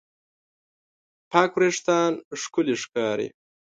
پاک وېښتيان ښکلي ښکاري.